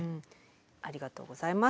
ありがとうございます。